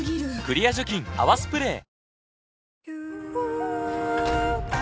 クリア除菌「泡スプレー」